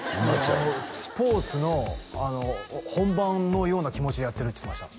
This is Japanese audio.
「スポーツの本番のような気持ちでやってる」って言ってました